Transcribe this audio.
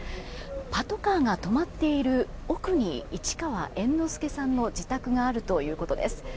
パトカーが止まっている奥に市川猿之助さんの自宅があるということです。